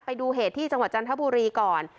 ไปดูเหตุที่จังหวัดจันทบุรีก่อน